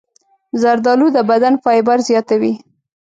زردالو د بدن فایبر زیاتوي.